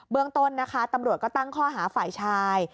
เมืองต้นนะคะตำรวจก็ตั้งข้อหาฝ่ายชาย